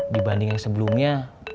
dibanding yang sebelumnya